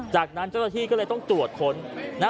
จากนั้นเจ้าหน้าที่ก็เลยต้องตรวจค้น